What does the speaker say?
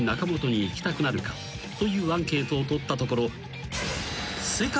［アンケートを取ったところ］